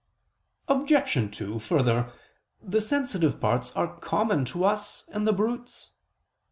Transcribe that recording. Obj. 2: Further, the sensitive parts are common to us and the brutes.